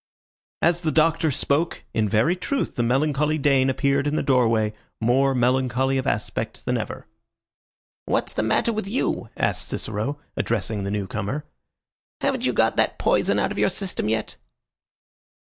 As the Doctor spoke, in very truth the melancholy Dane appeared in the doorway, more melancholy of aspect than ever. "What's the matter with you?" asked Cicero, addressing the new comer. "Haven't you got that poison out of your system yet?"